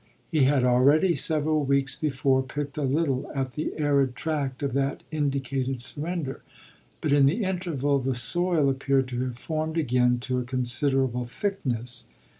He had already, several weeks before, picked a little at the arid tract of that indicated surrender, but in the interval the soil appeared to have formed again to a considerable thickness.